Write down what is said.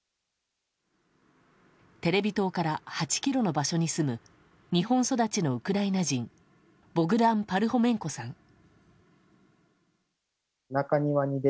テレビ塔から８ｋｍの場所に住む日本育ちのウクライナ人ボグダン・パルホメンコさん。